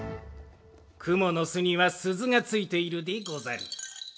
くもの巣にはすずがついているでござる。